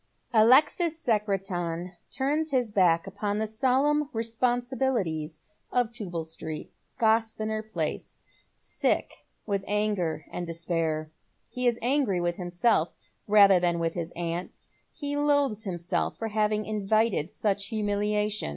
Alexis Secretan turns his back upon the solemn responsibilities of Tubal Street, Grosvenor Place, sick with anger and despair. He is ftngry with himself rather than with his aunt. He loathes himself for having invited such humiliation.